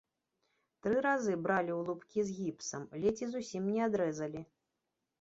Тры разы бралі ў лубкі з гіпсам, ледзь і зусім не адрэзалі.